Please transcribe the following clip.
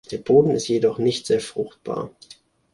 Der Boden ist jedoch nicht sehr fruchtbar.